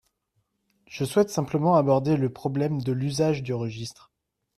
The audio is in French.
Je souhaite simplement aborder le problème de l’usage du registre.